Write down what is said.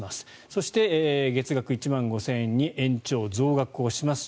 そして月額１万５０００円に延長・増額をします。